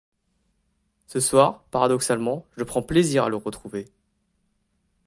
Ce soir, paradoxalement, je prends plaisir à le retrouver.